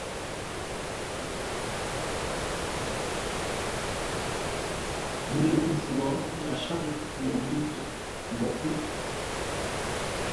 Mələ mi mpfu wo yaa shaghʼə́ ə́ mbou ntə̂itə́ mboʼ pə́.